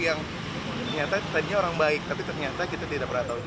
yang ternyata tadinya orang baik tapi ternyata kita tidak pernah tahu